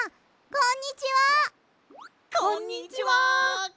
こんにちは！